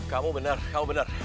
kamu bener kamu bener